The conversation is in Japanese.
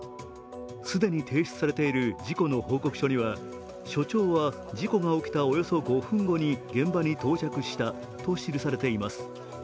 既に提出されている事故の報告書には署長は事故が起きたおよそ５分後に現場に到着したと記されています。